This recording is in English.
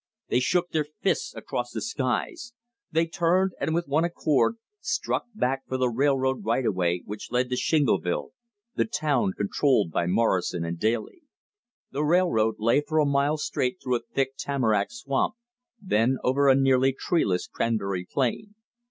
They shook their fists across the skies. They turned and with one accord struck back for the railroad right of way which led to Shingleville, the town controlled by Morrison & Daly. The railroad lay for a mile straight through a thick tamarack swamp, then over a nearly treeless cranberry plain.